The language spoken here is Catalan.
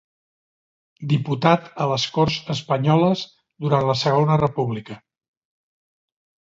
Diputat a les Corts Espanyoles durant la Segona República.